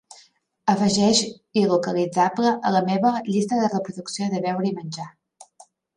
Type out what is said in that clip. Afegeix il·localitzable a la meva llista de reproducció de beure i menjar.